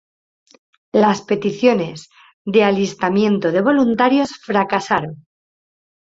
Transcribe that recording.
Las peticiones de alistamiento de voluntarios fracasaron.